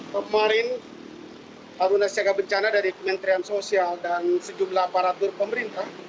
pemarin arunasi agar bencana dari kementerian sosial dan sejumlah aparatur pemerintah